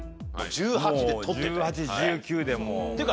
１８１９でもう。